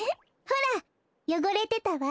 ほらよごれてたわ。